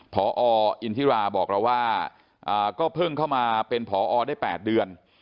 พออินทิราบอกเราว่าก็เพิ่งเข้ามาเป็นผอได้๘เดือน